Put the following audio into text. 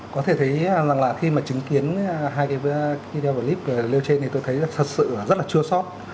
có thể thấy rằng là khi mà chứng kiến hai cái video clip liêu trên này tôi thấy là thật sự rất là chua sót